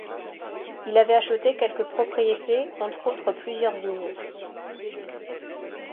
Il avait acheté quelques propriétés, entre autres plusieurs vignes.